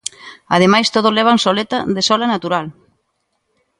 Ademais todos levan soleta de sola natural.